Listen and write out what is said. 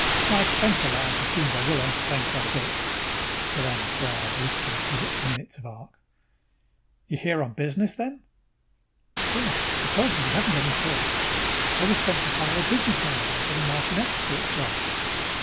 My expense allowance assumes I will entertain quite a bit." Doran's brows lifted a few minutes of arc. "You're here on business, then?" "Yes. I told you we haven't any tourists. I was sent to hire a business manager for the Martian export trade."